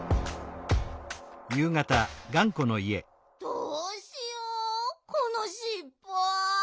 どうしようこのしっぽ。